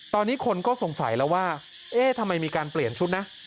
ตอนนี้คนก็สงสัยแล้วว่าเอ๊ะทำไมมีการเปลี่ยนชุดนะ